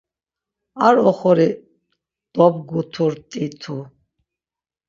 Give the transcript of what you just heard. Ar oxori dobguturt̆itu.